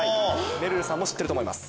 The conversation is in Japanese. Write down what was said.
めるるさんも知ってると思います。